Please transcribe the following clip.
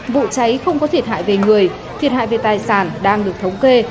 vụ cháy không có thiệt hại về người thiệt hại về tài sản đang được thống kê